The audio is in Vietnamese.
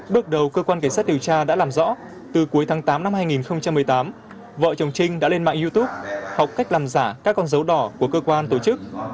bước đầu cơ quan cảnh sát điều tra đã làm rõ từ cuối tháng tám năm hai nghìn một mươi tám vợ chồng trinh đã lên mạng youtube học cách làm giả các con dấu đỏ của cơ quan tổ chức